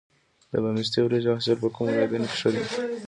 د باسمتي وریجو حاصل په کومو ولایتونو کې ښه دی؟